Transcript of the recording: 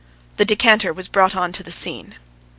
The decanter was brought on to the scene.